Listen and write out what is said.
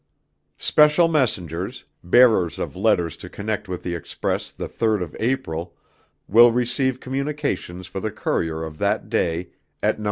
Special messengers, bearers of letters to connect with the express the 3rd of April, will receive communications for the courier of that day at No.